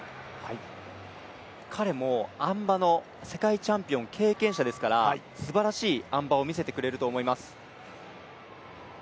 彼もあん馬の世界チャンピオン経験者ですからすばらしいあん馬を見せてくれると思います。